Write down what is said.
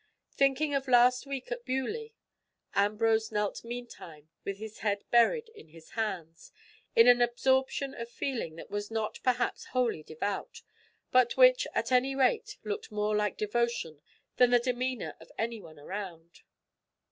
Thinking of last week at Beaulieu, Ambrose knelt meantime with his head buried in his hands, in an absorption of feeling that was not perhaps wholly devout, but which at any rate looked more like devotion than the demeanour of any one around.